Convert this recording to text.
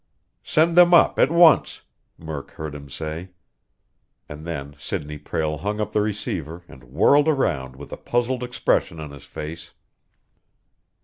"Send them up at once!" Murk heard him say. And then Sidney Prale hung up the receiver and whirled around with a puzzled expression on his face.